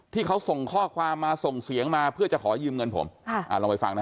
ที่เขาส่งข้อความมาส่งเสียงมาเพื่อจะขอยืมเงินผมค่ะอ่าลองไปฟังหน่อย